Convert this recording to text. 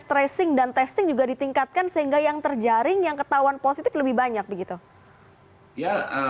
yang testing juga ditingkatkan sehingga yang terjaring yang ketahuan positif lebih banyak begitu